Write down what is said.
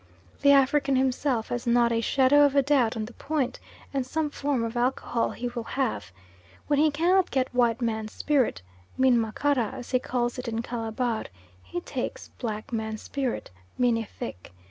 The African himself has not a shadow of a doubt on the point, and some form of alcohol he will have. When he cannot get white man's spirit min makara, as he calls it in Calabar he takes black man's spirit min effik.